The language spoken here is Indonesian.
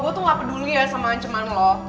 gue tuh gak peduli ya sama ancaman lo